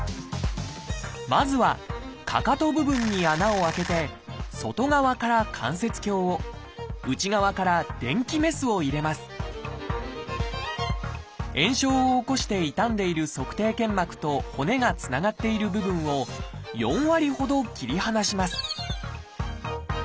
まずはかかと部分に穴を開けて外側から関節鏡を内側から電気メスを入れます炎症を起こして傷んでいる足底腱膜と骨がつながっている部分を４割ほど切り離します